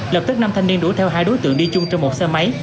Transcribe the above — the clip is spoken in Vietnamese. lập tức năm thanh niên đuổi theo hai đối tượng đi chung trên một xe máy